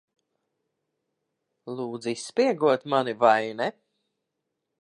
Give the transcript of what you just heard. Lūdza izspiegot mani, vai ne?